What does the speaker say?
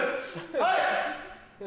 はい！